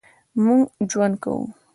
مونږ ژوند کوو